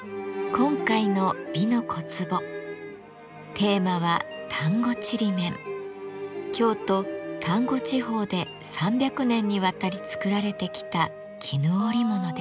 今回の「美の小壺」テーマは京都丹後地方で３００年にわたり作られてきた絹織物です。